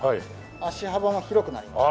足幅が広くなりました。